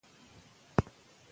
آیا تاسي د تاریخ مرصع کتاب پېژنئ؟